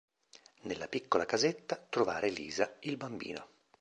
Nella piccola casetta; trovare Elisa, il bambino.